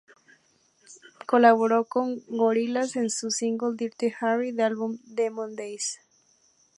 Colaboró con Gorillaz en el single ""Dirty Harry"" de su álbum Demon Days.